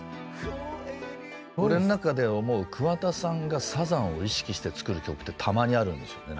俺の中で思う桑田さんがサザンを意識して作る曲ってたまにあるんですよね。